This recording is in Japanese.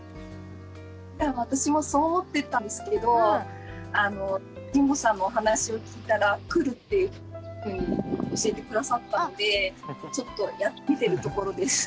私もそう思ってたんですけどあの神保さんのお話を聞いたら来るっていうふうに教えて下さったのでちょっとやってみてるところです。